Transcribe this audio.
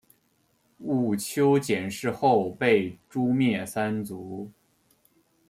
毋丘俭事后被诛灭三族。